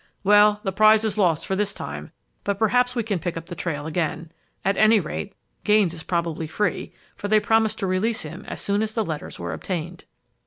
"Well, the prize is lost for this time, but perhaps we can pick up the trail again. At any rate, Gaines is probably free, for they promised to release him as soon as the letters were obtained."